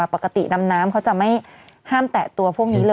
ปกติดำน้ำเขาจะไม่ห้ามแตะตัวพวกนี้เลย